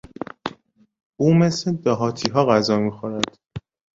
او مثل دهاتیها غذا میخورد.